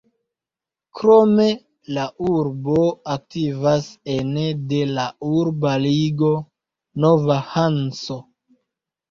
Krome la urbo aktivas ene de la urba ligo „Nova Hanso“.